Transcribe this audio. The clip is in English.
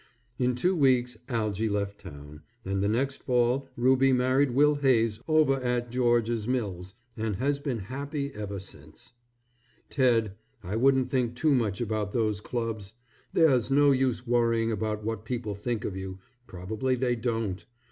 In two weeks Algy left town, and the next fall Ruby married Will Hayes over at George's Mills, and has been happy ever since. Ted, I wouldn't think too much about those clubs. There's no use worrying about what people think of you; probably they don't.